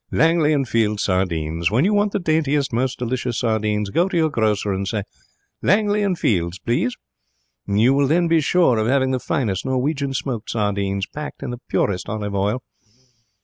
'"Langley and Fielding's sardines. When you want the daintiest, most delicious sardines, go to your grocer and say, 'Langley and Fielding's, please!' You will then be sure of having the finest Norwegian smoked sardines, packed in the purest olive oil."'